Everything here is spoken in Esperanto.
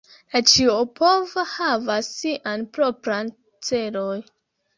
La Ĉiopova havas Sian propran celoj.